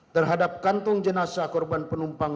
terhadap kantong jenasa korban penumpang